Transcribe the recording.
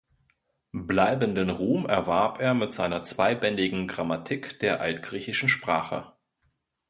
Bleibenden Ruhm erwarb er mit seiner zweibändigen Grammatik der altgriechischen Sprache.